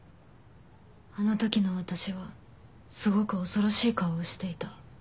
あの時の私はすごく恐ろしい顔をしていた。